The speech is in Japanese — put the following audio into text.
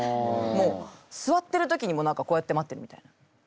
もう座ってる時にも何かこうやって待ってるみたいな。